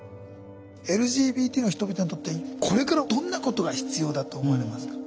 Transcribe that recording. ＬＧＢＴの人々にとってこれからどんなことが必要だと思われますか？